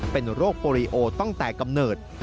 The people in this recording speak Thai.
เป็นโรคโปรีโอตั้งแต่กำเนิด